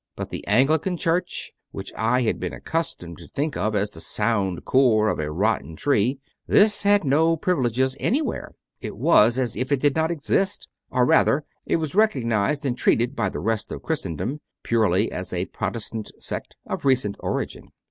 But the Anglican Church, which I had been accustomed to think of as the sound core of a rotten tree, this had no privileges anywhere; it was as if it did not exist; or, rather, it was recognised and treated by the rest of Christendom purely as a Protestant sect of recent origin.